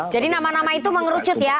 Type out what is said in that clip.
jadi nama nama itu mengerucut ya